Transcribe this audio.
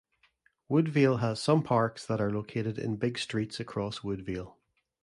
Woodvale has some parks that are located in big streets across Woodvale.